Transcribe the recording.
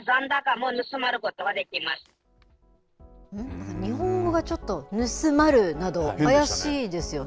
なんか、日本語がちょっと、盗まるなど、怪しいですよね。